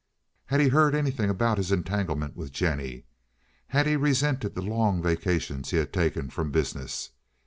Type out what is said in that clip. Had he heard anything about his entanglement with Jennie? Had he resented the long vacations he had taken from business?